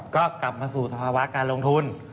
ก็กลับมาสู่สภาวะการลงทุน